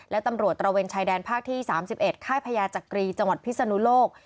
และตำรวจตระเวนชายแดนภาคที่๓๑ค่ายพญาจักรีจังหวัดพิศนุโลก